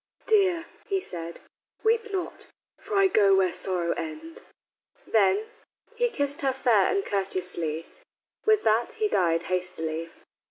"Dear," he said, "weep not, for I go where sorrows end." Then "He kissed her fair and courteously, With that he died hastily."